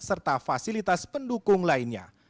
serta fasilitas pendukung lainnya